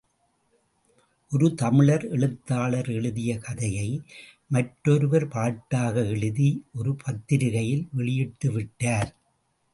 ஒரு தமிழ் எழுத்தாளர் எழுதிய கதையை, மற்றொருவர் பாட்டாக எழுதி ஒரு பத்திரிகையில் வெளியிட்டு விட்டார்.